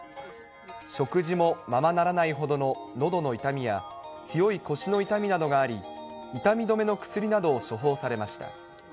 食事もままならないほどののどの痛みや強い腰の痛みなどがあり、痛み止めの薬などを処方されました。